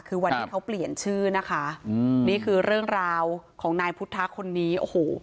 คือวันที่เขาเปลี่ยนชื่อนะคะอืมนี่คือเรื่องราวของนายพุทธะคนนี้โอ้โห